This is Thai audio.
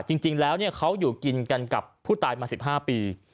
จริงแล้วเขาอยู่กินกันกับผู้ตายมา๑๕ปี